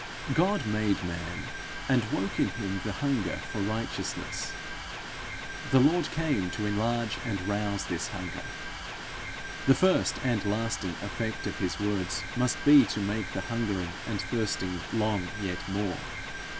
God made man, and woke in him the hunger for righteousness; the Lord came to enlarge and rouse this hunger. The first and lasting effect of his words must be to make the hungering and thirsting long yet more.